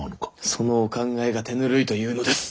そのお考えが手ぬるいというのです。